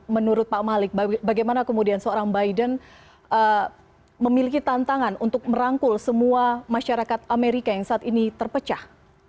menurut pak malik bagaimana kemudian seorang biden memiliki tantangan untuk merangkul semua masyarakat amerika yang saat ini terpecah